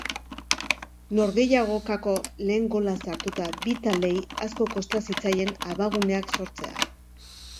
Norgehiagokako lehen gola sartuta, bi taldeei asko kosta zitzaien abaguneak sortzea.